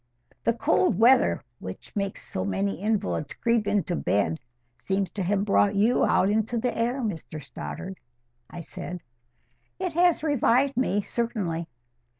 "The cold weather, which makes so many invalids creep into bed, seems to have brought you out into the air, Mr Stoddart," I said. "It has revived me, certainly."